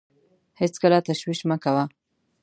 هېڅکله تشویش مه کوه .